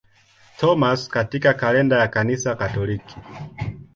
Thomas katika kalenda ya Kanisa Katoliki.